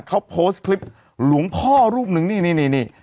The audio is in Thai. เขาโพสต์คลิปหลวงพ่อรูปหนึ่งนี่นี่นี่นี่